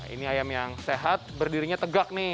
ini ayam yang sehat berdirinya tegak nih